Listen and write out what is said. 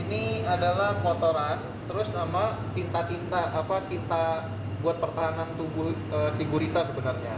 ini adalah kotoran terus sama tinta tinta apa tinta buat pertahanan tubuh si gurita sebenarnya